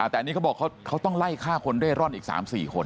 แต่อันนี้เขาบอกเขาต้องไล่ฆ่าคนเร่ร่อนอีก๓๔คน